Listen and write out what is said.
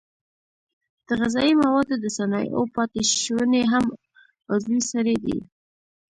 د غذایي موادو د صنایعو پاتې شونې هم عضوي سرې دي.